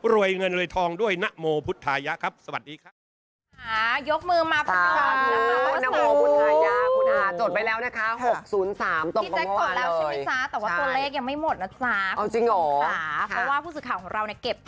รวยเงินรวยทองด้วยนโมพุทธายะครับสวัสดีครับ